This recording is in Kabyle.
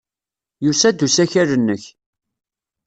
Yusa-d usakal-nnek.